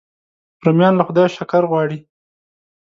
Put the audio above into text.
رومیان له خدایه شکر غواړي